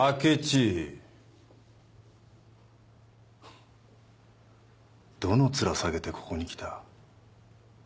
フッどのツラ下げてここに来た？